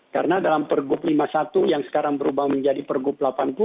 karena dalam pergub lima puluh satu yang sekarang berubah menjadi pergub delapan puluh